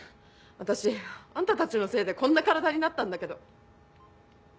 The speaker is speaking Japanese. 私あんたたちのせいでこんな体になったんだけど。